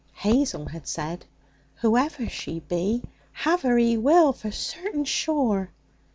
Hazel had said, 'Whoever she be, have her he will, for certain sure.'